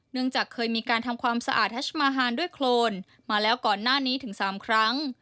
จากเคยมีการทำความสะอาดทัชมาฮานด้วยโครนมาแล้วก่อนหน้านี้ถึง๓ครั้ง